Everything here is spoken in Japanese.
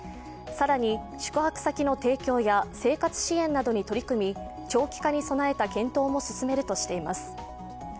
更に、宿泊先の提供や生活支援などに取り組み、長期化に備えた検討も進めるとしています。